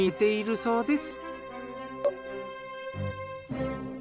そうです。